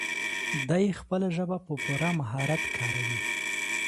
دی خپله ژبه په پوره مهارت کاروي.